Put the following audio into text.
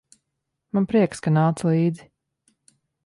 Man prieks, ka nāc līdzi.